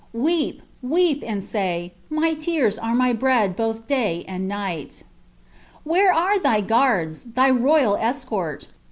Weep, weep, and iq^ ' My tears are my bread both day anil nig'ht^ "" Where are thy guards, thy royal escort?